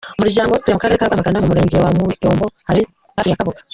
Umuryango we utuye mu karere ka Rwamagana mu murenge wa Muyombo hafi na Kabuga.